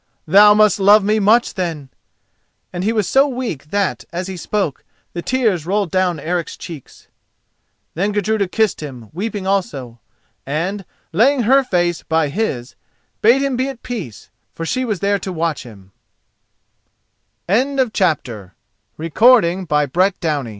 Thou must love me much then," and he was so weak that, as he spoke, the tears rolled down Eric's cheeks. Then Gudruda kissed him, weeping also, and, laying her face by his, bade him be at peace, for she was there to watch